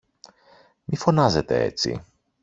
Μη φωνάζετε έτσι!